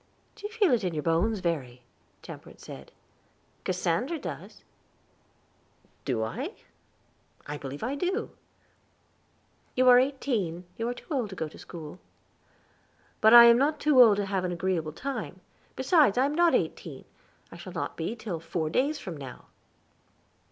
"Do you feel it in your bones, Verry?" Temperance asked. "Cassandra does." "Do I? I believe I do." "You are eighteen; you are too old to go to school." "But I am not too old to have an agreeable time; besides, I am not eighteen, and shall not be till four days from now."